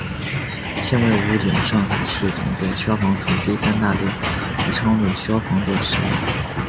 现为武警上海市总队消防处第三大队宜昌路消防队使用。